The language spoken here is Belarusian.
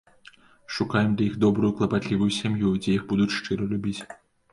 Шукаем для іх добрую клапатлівую сям'ю, дзе іх будуць шчыра любіць.